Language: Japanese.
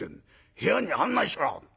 『部屋に案内しろ！』